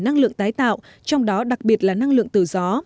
năng lượng tái tạo trong đó đặc biệt là năng lượng từ gió